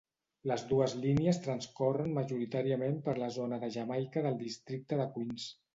Les dues línies transcorren majoritàriament per la zona de Jamaica del districte de Queens.